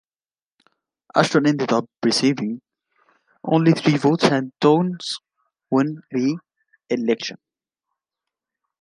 Ashton ended up receiving only three votes and Tonks won re-election.